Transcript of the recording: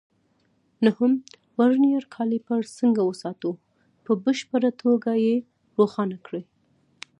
نهم: ورنیر کالیپر څنګه وساتو؟ په بشپړه توګه یې روښانه کړئ.